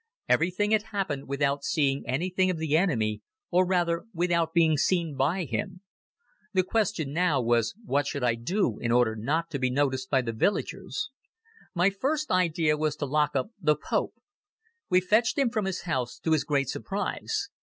Everything had happened without seeing anything of the enemy or rather without being seen by him. The question now was what should I do in order not to be noticed by the villagers? My first idea was to lock up the "pope". We fetched him from his house, to his great surprise.